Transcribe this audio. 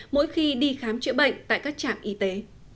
mỗi khi đi khám chữa bệnh tại các trạm y tế